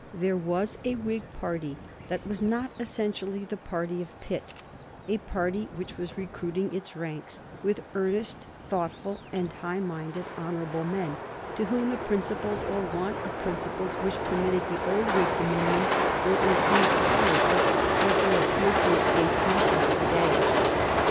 There was a Whig party that was not essentially the party of Pitt, a party which was recruiting its ranks with earnest, thoughtful, high minded, honorable men to whom the principles or want of principles which permitted the old Whig dominion were as intolerable as they appear to a statesman of to day.